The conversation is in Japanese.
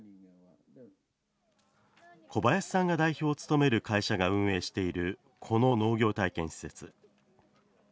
小林さんが代表を務める会社が運営しているこの農業体験施設。